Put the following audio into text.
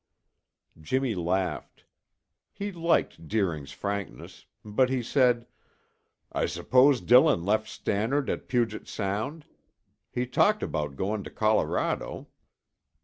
Jimmy laughed. He liked Deering's frankness, but he said, "I suppose Dillon left Stannard at Puget Sound? He talked about going to Colorado."